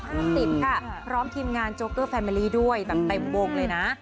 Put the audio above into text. พร้อมทีมงานโจ๊กเกอร์แฟมิลี่ด้วยแบบเต็มบงเลยนะ